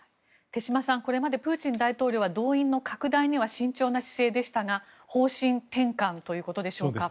手嶋さん、これまでプーチン大統領は動員の拡大には慎重な姿勢でしたが方針転換ということでしょうか。